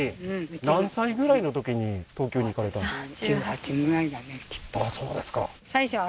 何歳ぐらいのときに東京に行かれたあっそうですかああ